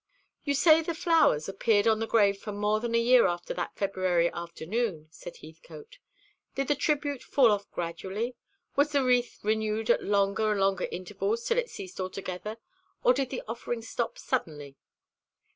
"You say the flowers appeared on the grave for more than a year after that February afternoon?" said Heathcote. "Did the tribute fall off gradually? Was the wreath renewed at longer and longer intervals till it ceased altogether, or did the offering stop suddenly?"